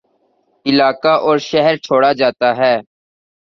علاقہ اور شہرچھوڑ جاتا ہے